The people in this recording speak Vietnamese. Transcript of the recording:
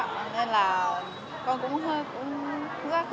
nên là con cũng hơi khó